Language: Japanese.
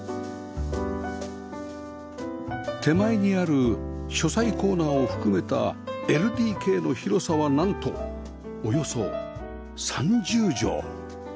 手前にある書斎コーナーを含めた ＬＤＫ の広さはなんとおよそ３０畳